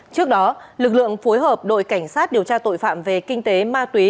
trước đó lực lượng phối hợp đội cảnh sát điều tra tội phạm về kinh tế ma túy